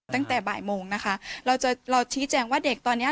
ตั้งแต่บ่ายโมงนะคะเราจะเราชี้แจงว่าเด็กตอนเนี้ย